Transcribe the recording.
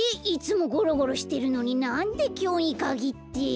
いつもゴロゴロしてるのになんできょうにかぎって。